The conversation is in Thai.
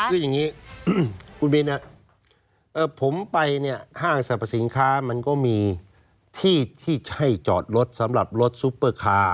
คืออย่างนี้คุณบินผมไปเนี่ยห้างสรรพสินค้ามันก็มีที่ที่ให้จอดรถสำหรับรถซุปเปอร์คาร์